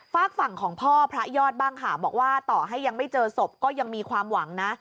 ฝากฝั่งของพ่อพระยอดบ้างค่ะบอกว่าต่อให้ยังไม่เจอศพก็ยังมีความหวังนะ